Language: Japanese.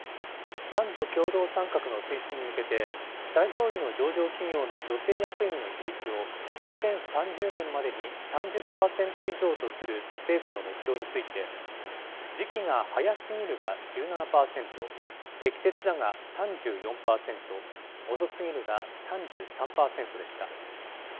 男女共同参画の推進に向けて、最上位の上場企業の女性役員の比率を、２０３０年までに３０％以上とする政府の目標について、時期が早すぎるが１７％、適切だが３４％、遅すぎるが３３％でした。